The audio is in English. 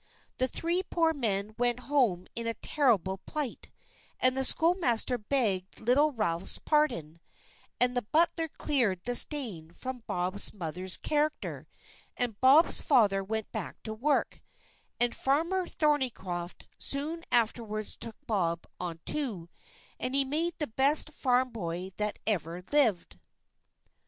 The three poor men went home in a terrible plight; and the schoolmaster begged little Ralph's pardon, and the butler cleared the stain from Bob's mother's character, and Bob's father went back to work, and Farmer Thornycroft soon afterwards took Bob on too, and he made the best farm boy that ever lived.